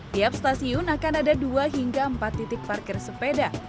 tiap stasiun akan ada dua hingga empat titik parkir sepeda